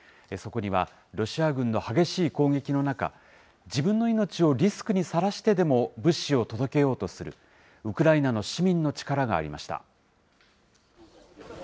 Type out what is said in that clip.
そこにはロシア軍の激しい攻撃の中、自分の命をリスクにさらしてでも物資を届けようとする、ウクライナの市民の力がありました。